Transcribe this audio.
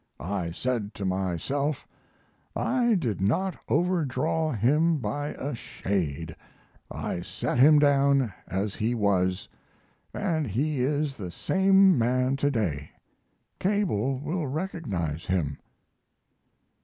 I said to myself: "I did not overdraw him by a shade, I set him down as he was; and he is the same man to day. Cable will recognize him."